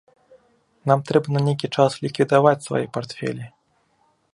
Нам трэба на нейкі час ліквідаваць свае партфелі.